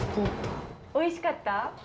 おいしかった。